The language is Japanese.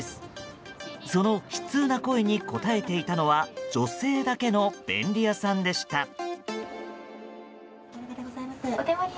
その悲痛な声に応えていたのは女性だけの便利屋さんでした。